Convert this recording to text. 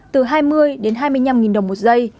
từ hai mươi đến hai mươi năm đồng một giây